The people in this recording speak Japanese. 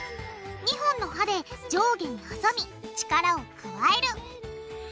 ２本の刃で上下に挟み力を加える。